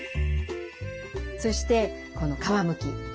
そしてこの皮むき。